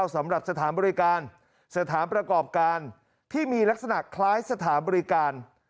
สำหรับสถานบริการสถานประกอบการที่มีลักษณะคล้ายสถานบริการ